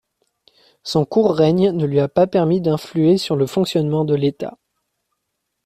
Son court règne ne lui a pas permis d'influer sur le fonctionnement de l'État.